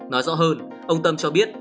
nói rõ hơn ông tâm cho biết